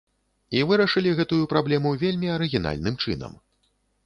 І вырашылі гэтую праблему вельмі арыгінальным чынам.